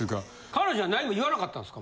彼女は何も言わなかったんですか？